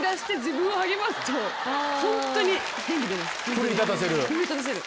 奮い立たせる？